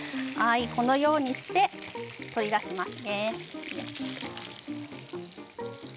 このようにして、取り出します。